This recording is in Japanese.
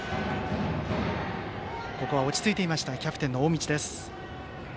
ここは落ち着いていましたキャプテンの大道。